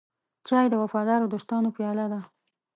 چای د وفادارو دوستانو پیاله ده.